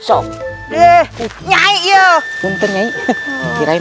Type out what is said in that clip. aku harus segera ke sana